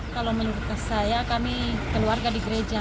kalau menurut saya kami keluarga di gereja